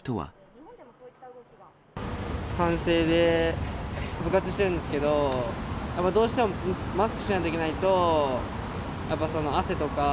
賛成で、部活してるんですけど、どうしてもマスクしないといけないと、やっぱ汗とか。